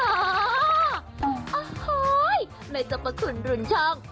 อ้าหอยแม่จ๊ะประสุนรุนช่อง